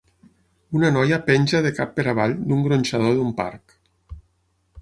Una noia penja de cap per avall d'un gronxador d'un parc